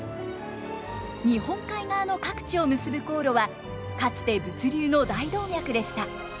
日本海側の各地を結ぶ航路はかつて物流の大動脈でした。